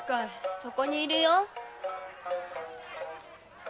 そこに居るよ。